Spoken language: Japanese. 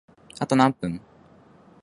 あと何分？